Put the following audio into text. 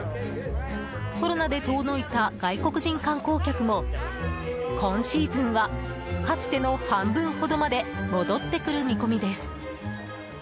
コロナで遠のいた外国人観光客も今シーズンはかつての半分ほどまで戻ってくる見込みです。